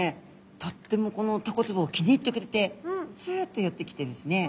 とってもこのタコつぼを気に入ってくれてスッと寄ってきてですね